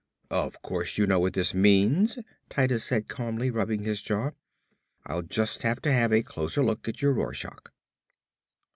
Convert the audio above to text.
"Of course you know what this means," Titus said calmly, rubbing his jaw. "I'll just have to have a closer look at your Rorschach."